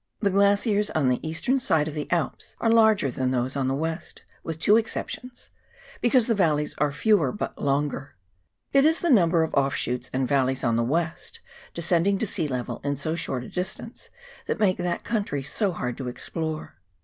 the glaciers on the eastern side of the Alps are larger than those on the west — with two exceptions — because the valleys are fewer but longer. It is the number of offshoots and valleys on the west, descending to sea level in so short a distance, that make that country so hard to explore.